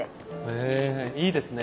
へぇいいですね。